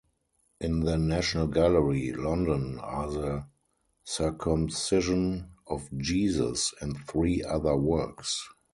In the National Gallery, London, are the "Circumcision of Jesus" and three other works.